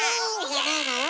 じゃないのよ？